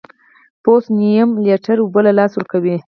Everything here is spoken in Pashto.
پوست نیم لیټر اوبه له لاسه ورکوي.